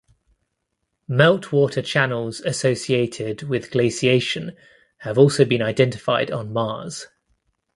Meltwater channels associated with glaciation have also been identified on Mars.